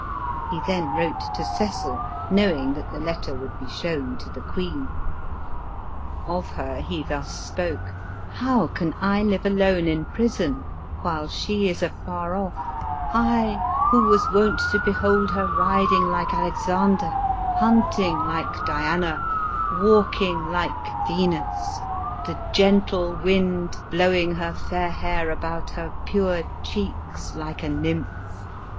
He then wrote to Cecil, knowing that the letter would be shown to the queen ; of her he thus spoke :" How can I live alone in prison, while ELIZABETH OP ENGLAND. 819 ehe is afar off— I, who was wont to behold Ifcr riding like Alexander, hunting like Diana, walking like Venus — the gentle wind blowing her fair hair about her pure checks, like a nymph.